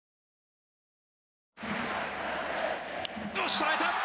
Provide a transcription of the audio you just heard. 捉えた！